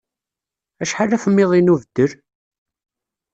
Acḥal afmiḍi n ubeddel?